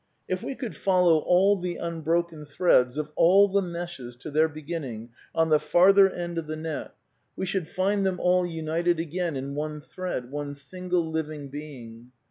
If we could follow all the unbroken threads of all the meshes to their beginning on the farther end of the net, we should find them all united again in one thread, one single living being.